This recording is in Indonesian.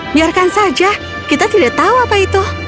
biarkan saja kita tidak tahu apa itu